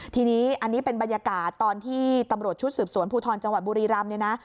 ทีนี้อันนี้เป็นบรรยากาศตอนที่ตำรวจชุดสืบสวนภูทรจังหวัดบุรีรำเนี่ยนะ